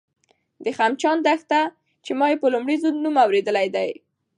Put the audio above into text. د خمچان دښته، چې ما یې په لومړي ځل نوم اورېدی دی